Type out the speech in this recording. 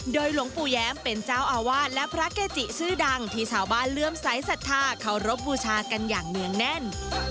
โดยหลวงปู่แย้มเป็นเจ้าอาวาสและพระเกจิชื่อดังที่ชาวบ้านเลื่อมสายศรัทธาเคารพบูชากันอย่างเนื่องแน่น